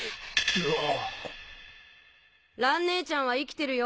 蘭ねえちゃんは生きてるよ